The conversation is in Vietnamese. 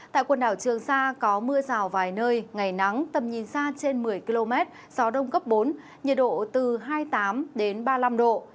tại quần đảo trường sa có mưa rào vài nơi ngày nắng tầm nhìn xa trên một mươi km gió đông cấp bốn nhiệt độ từ hai mươi tám ba mươi năm độ